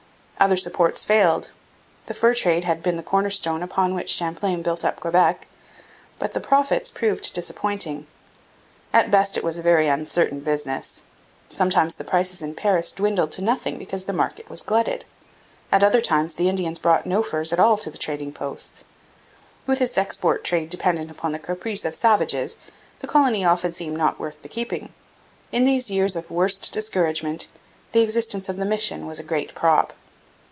Other supports failed. The fur trade had been the corner stone upon which Champlain built up Quebec, but the profits proved disappointing. At the best it was a very uncertain business. Sometimes the prices in Paris dwindled to nothing because the market was glutted. At other times the Indians brought no furs at all to the trading posts. With its export trade dependent upon the caprice of the savages, the colony often seemed not worth the keeping. In these years of worst discouragement the existence of the mission was a great prop.